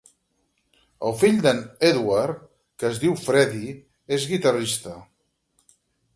El fill d"en Edward, que és diu Freddie, és guitarrista.